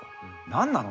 「何なの？